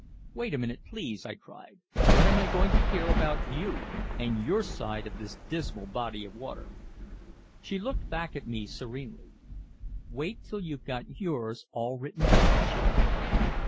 "Wait a minute, please," I cried. "When am I going to hear about you and your side of this dismal body of water?" She looked back at me serenely. "Wait till you've got yours all written down," she replied.